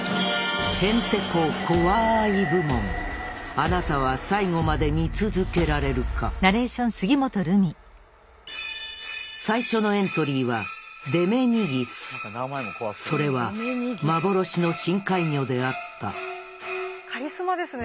あなたは最後まで見続けられるか最初のエントリーはそれは幻の深海魚であったカリスマですね